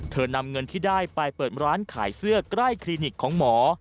นำเงินที่ได้ไปเปิดร้านขายเสื้อใกล้คลินิกของหมอ